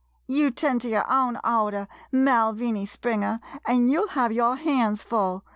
You 'tend to your own order, Mal viny Springer, an' you '11 have your hands full.